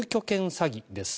詐欺です。